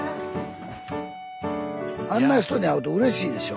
あんな人に会うとうれしいでしょ。